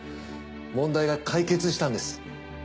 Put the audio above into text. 問題が解決したんです。